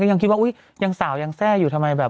ยังคิดว่าอุ๊ยยังสาวยังแทร่อยู่ทำไมแบบ